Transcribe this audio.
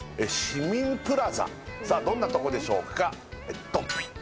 市民プラザさあどんなとこでしょうかドン！